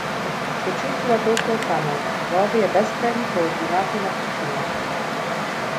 Се чувствува толку осамено во овие бескрајни координати на пустината.